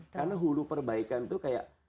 karena hulu perbaikan itu kayak